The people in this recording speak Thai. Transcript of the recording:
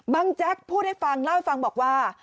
แจ๊กพูดให้ฟังเล่าให้ฟังบอกว่า